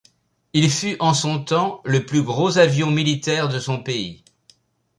Il fut en son temps le plus gros avion militaire de son pays.